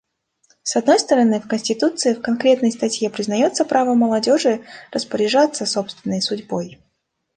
С одной стороны, в конституции в конкретной статье признается право молодежи распоряжаться собственной судьбой.